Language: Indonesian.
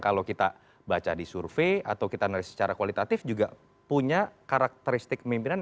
kalau kita baca di survei atau kita secara kualitatif juga punya karakteristik pimpinan